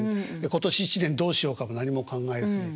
今年一年どうしようかも何も考えずに。